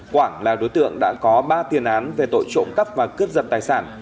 quảng là đối tượng đã có ba tiền án về tội trộm cắp và cướp giật tài sản